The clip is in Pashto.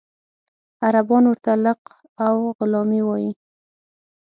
عربان ورته لق او غلامي وایي.